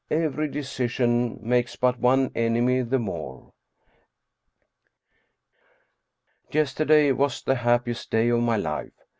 Every decision makes but one enemy the more. Yesterday was the happiest day of my life.